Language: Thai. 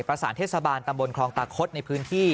ประสานเทศบาลตำบลคลองตาคดในพื้นที่